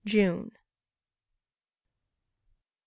JUNE. 1.